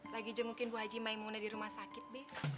lagi jengukin bu haji maimunah di rumah sakit be